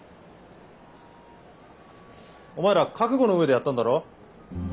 お前ら覚悟の上でやったんだろ？